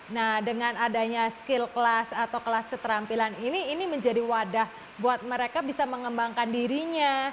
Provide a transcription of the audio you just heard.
nah dengan adanya skill class atau kelas keterampilan ini ini menjadi wadah buat mereka bisa mengembangkan dirinya